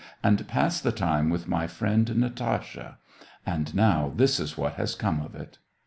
and pass the time with my friend Natasha ? And now this is what has come of it."